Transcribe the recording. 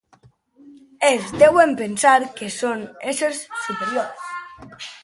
Es deuen pensar que són éssers superiors.